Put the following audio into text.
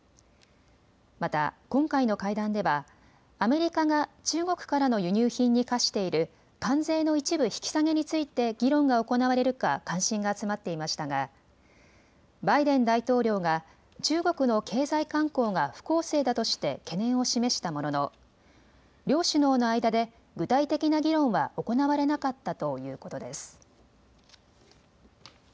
また今回の会談ではアメリカが中国からの輸入品に課している関税の一部引き下げについて議論が行われるか関心が集まっていましたがバイデン大統領が中国の経済慣行が不公正だとして懸念を示したものの両首脳の間で具体的な議論は行われなかったということです。